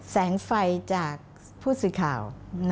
แสงไฟจากผู้สื่อข่าว